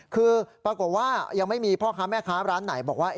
คือปรากฏว่ายังไม่มีพ่อค้าแม่ค้าร้านไหนบอกว่า